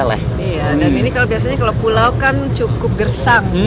iya dan ini kalau biasanya kalau pulau kan cukup gersang